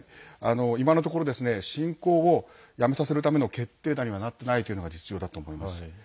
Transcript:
今のところ侵攻をやめさせるための決定打にはなっていないというのが実情だと思います。